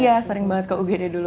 iya sering banget ke ugd dulu